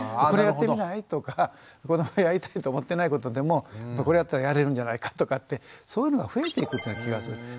「これやってみない？」とか子どもがやりたいと思ってないことでも「これやったらやれるんじゃないか」ってそういうのが増えていく気がする。